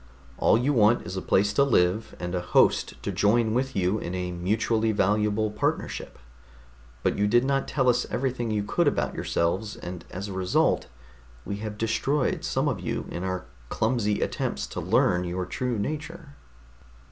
All you want is a place to live, and a host to join with you in a mutually valuable partnership. But you did not tell us everything you could about yourselves, and as a result we have destroyed some of you in our clumsy attempts to learn your true nature."